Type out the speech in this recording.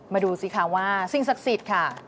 ดูสิคะว่าสิ่งศักดิ์สิทธิ์ค่ะ